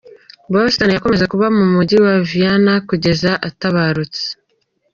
Beethoven yakomeje kuba mu mujyi wa Vienna kugeza atabarutse.